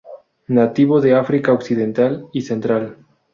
Nativo de África occidental y central.